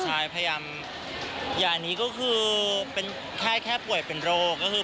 ใช่พยายามอย่าอันนี้ก็คือเป็นแค่ป่วยเป็นโรคก็คือ